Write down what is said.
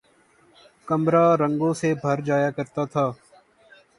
کمرا رنگوں سے بھر جایا کرتا تھا